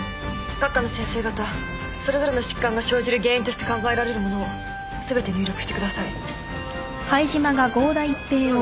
各科の先生方それぞれの疾患が生じる原因として考えられるものを全て入力してください